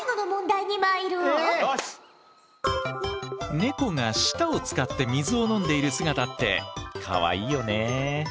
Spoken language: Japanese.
ネコが舌を使って水を飲んでいる姿ってかわいいよね。